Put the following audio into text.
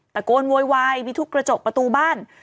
ตะโกนโวยวายมีทุกกระจกประตูบ้าน